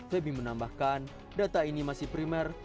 febi menambahkan data ini masih primer